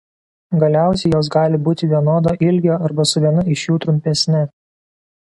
Galiausiai jos gali būti vienodo ilgio arba su viena iš jų trumpesne.